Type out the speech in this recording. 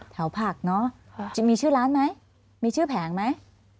แถวผักเนอะมีชื่อร้านมั้ยมีชื่อแผงมั้ย